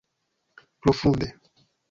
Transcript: Profunde!